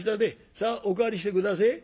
さあお代わりして下せえ。